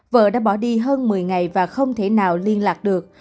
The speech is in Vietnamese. vợ đã bỏ đi hơn một mươi ngày và không thể nào liên lạc được